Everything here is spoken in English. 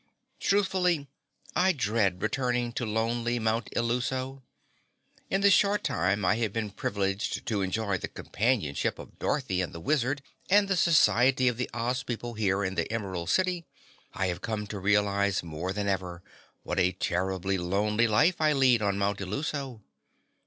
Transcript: Truthfully, I dread returning to lonely Mount Illuso. In the short time I have been privileged to enjoy the companionship of Dorothy and the Wizard, and the society of the Oz people here in the Emerald City, I have come to realize more than ever what a terribly lonely life I lead on Mount Illuso.